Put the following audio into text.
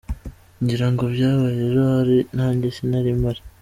Ngira ngo byabaye ejo ahari, nanjye sinari mpari.